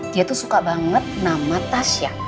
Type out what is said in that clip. dia tuh suka banget nama tasya